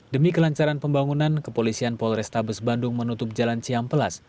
demi kelancaran pembangunan kepolisian polrestabes bandung menutup jalan cihamplas